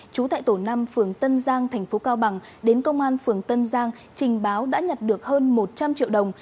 trú tại tổ năm phường tân giang thành phố cao bằng đến công an phường tân giang trình báo đã nhặt được hơn một trăm linh triệu đồng